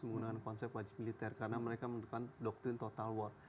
menggunakan konsep wajib militer karena mereka menggunakan doktrin total war